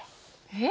えっ？